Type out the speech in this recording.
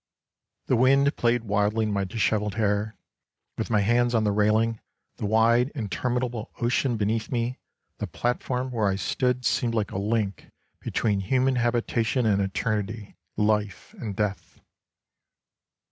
18 The wind played wildly in my disheveled hair. With my hands on the railing, the wide interminable ocean beneath me, the platform, where I stood, seemed like a link between human habitation and eternity, life and death.